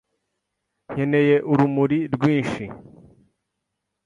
Nkeneye urumuri rwinshi.